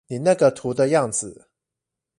你那個圖的樣子